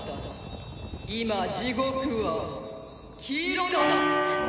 今地獄は黄色だ。